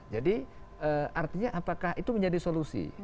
jadi artinya apakah itu menjadi solusi